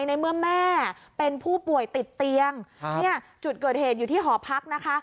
ในเมื่อแม่เป็นผู้ป่วยติดเตียงเนี่ยจุดเกิดเหตุอยู่ที่หอพักนะคะ